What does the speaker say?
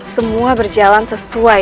semua berjalan sesuai